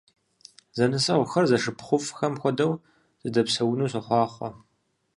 Зэнысэгъухэр зэшыпхъуфӀхэм хуэдэу зэдэпсэуну сохъуахъуэ!